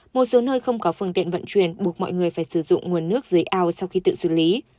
một số nơi không có phương tiện vận chuyển buộc mọi người phải sử dụng nguồn nước dưới ao sau khi tự xử lý